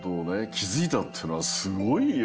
きづいたっていうのはすごいよ。